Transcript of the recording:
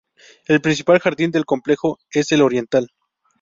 El principal jardín del complejo es el oriental.